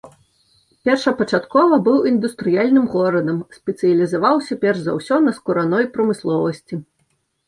Першапачаткова быў індустрыяльным горадам, спецыялізаваўся перш за ўсё на скураной прамысловасці.